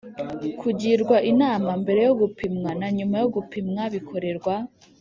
kugirwa inama mbere yo gupimwa na nyuma yo gupimwa bikorerwa